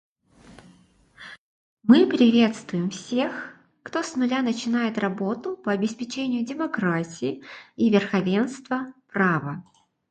Мы приветствуем всех, кто с нуля начинает работу по обеспечению демократии и верховенства права.